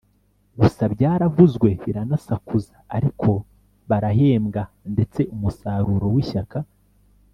Gusa byaravuzwe biranasakuza ariko barahembwa ndetse umusaruro w’ishyaka